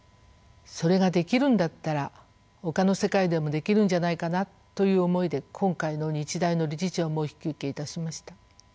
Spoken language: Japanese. それができるんだったらほかの世界でもできるんじゃないかなという思いで今回の日大の理事長もお引き受けいたしました。